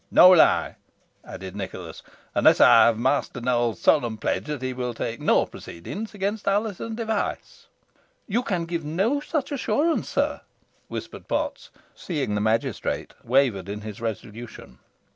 "Nor will I," added Nicholas, "unless I have Master Nowell's solemn pledge that he will take no proceedings against Alizon Device." "You can give no such assurance, sir," whispered Potts, seeing that the magistrate wavered in his resolution.